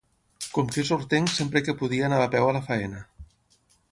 Com que és hortenc sempre que podia anava a peu a la feina.